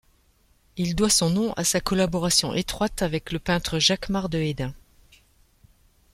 Il doit son nom à sa collaboration étroite avec le peintre Jacquemart de Hesdin.